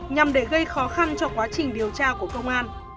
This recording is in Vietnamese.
nhằm để gây khó khăn cho quá trình điều tra của công an